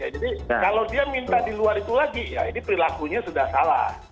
jadi kalau dia minta di luar itu lagi ya ini perilakunya sudah salah